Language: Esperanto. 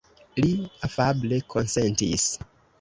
Li afable konsentis.